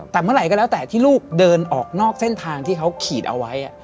แต่เมื่อไหร่ก็แล้วแต่ที่ลูกเดินออกนอกเส้นทางที่เขาขีดเอาไว้